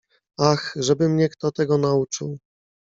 "Ach, żeby mnie kto tego nauczył."